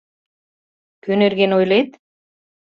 Кӧ нерген ойлет?